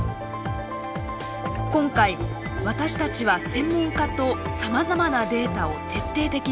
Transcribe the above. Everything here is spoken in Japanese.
今回私たちは専門家とさまざまなデータを徹底的に分析。